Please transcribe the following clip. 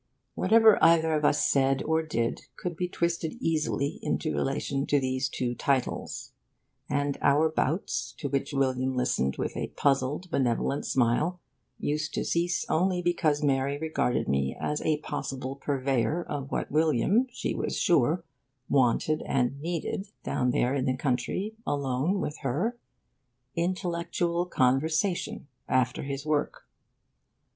Whatever either of us said or did could be twisted easily into relation to those two titles; and our bouts, to which William listened with a puzzled, benevolent smile, used to cease only because Mary regarded me as a possible purveyor of what William, she was sure, wanted and needed, down there in the country, alone with her: intellectual conversation, after his work.